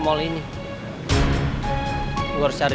yang ini olah modestnya